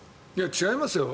違いますよ。